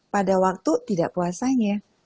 pada waktu tidak puasanya